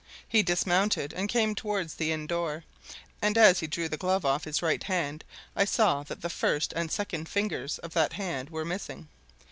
He dismounted and came towards the inn door, and as he drew the glove off his right hand I saw that the first and second fingers of that hand were missing.